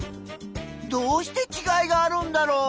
どうしてちがいがあるんだろう？